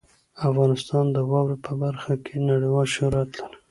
افغانستان د واوره په برخه کې نړیوال شهرت لري.